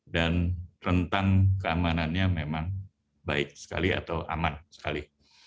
dan rentang keamanannya memang baik sekali atau aman sekali